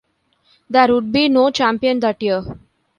There would be no champion that year.